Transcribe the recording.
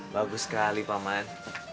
bagus sekali paman